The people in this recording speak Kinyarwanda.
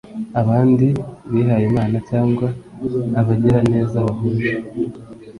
abandi bihayimana cyangwa abagiraneza bahuje